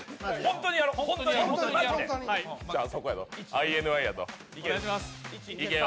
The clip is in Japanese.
ＩＮＩやぞ。